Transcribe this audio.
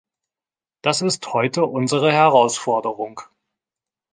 Das ist heute unsere Herausforderung.